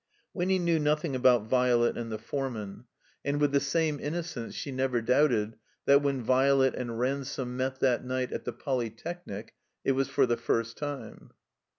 Winny knew nothing about Violet and the foreman* 139 THE COMBINED MAZE And with the same innocence she never doubted that when Violet and Ransome met that night at the Polytechnic it was for the first time.